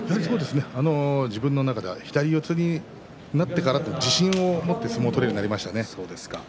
自分の中では左四つになってからという自信を持って相撲を取ることができるようになりましたね。